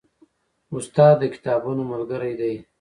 استاد د کتابونو ملګری دی.